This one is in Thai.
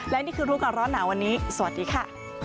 และนี่คือรู้ก่อนร้อนหนาวันนี้สวัสดีค่ะ